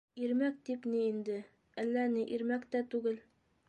Ирмәк тип ни инде, әллә ни ирмәк тә түгел.